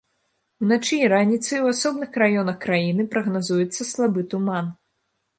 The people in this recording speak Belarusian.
Уначы і раніцай у асобных раёнах краіны прагназуецца слабы туман.